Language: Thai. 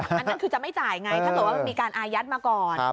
อันนั้นคือจะไม่จ่ายถ้าหวังว่าเขามีอายัดมาก่อน